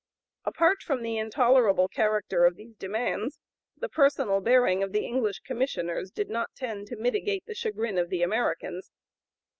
Apart from the intolerable character of these demands, the personal bearing of the English Commissioners did not tend to mitigate the chagrin of the Americans.